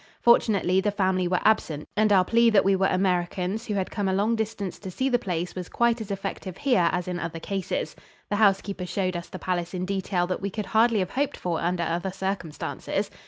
Fortunately, the family were absent, and our plea that we were Americans who had come a long distance to see the place was quite as effective here as in other cases. The housekeeper showed us the palace in detail that we could hardly have hoped for under other circumstances.